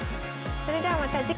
それではまた次回。